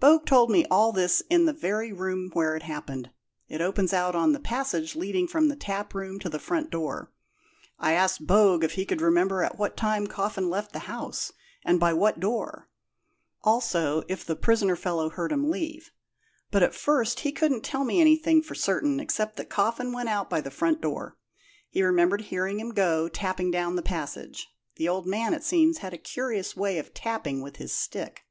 Bogue told me all this in the very room where it happened. It opens out on the passage leading from the taproom to the front door. I asked Bogue if he could remember at what time Coffin left the house, and by what door; also, if the prisoner fellow heard him leave; but at first he couldn't tell me anything for certain except that Coffin went out by the front door he remembered hearing him go tapping down the passage. The old man, it seems, had a curious way of tapping with his stick."